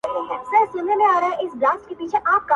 په نامه د شیرنۍ حرام نه خورمه،